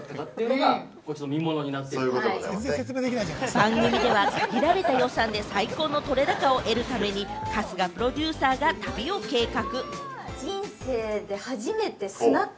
番組では限られた予算で最高の撮れ高を得るために、春日プロデューサーが旅を計画。